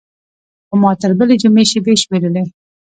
خو ما تر بلې جمعې شېبې شمېرلې.